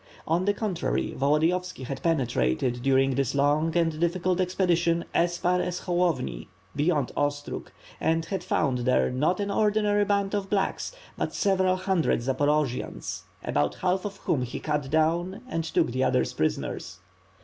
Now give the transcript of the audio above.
On the contrary, Volodiyovski had penetrated, during this long and difficult expedition, as far as Holovni, beyond Ostrog and had found there not an ordinary band of "blacks" but several hundred Zaporojians, about half of whom he cut down and took the others prisoners.